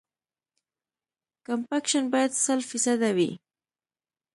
کمپکشن باید سل فیصده وي